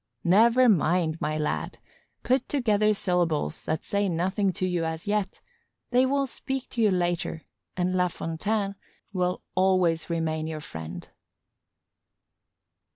Never mind, my lad! Put together syllables that say nothing to you as yet; they will speak to you later and La Fontaine will always remain your friend.